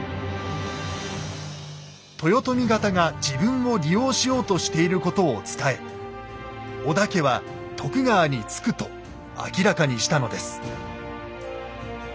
豊臣方が自分を利用しようとしていることを伝え織田家は徳川につくと明らかにしたのです。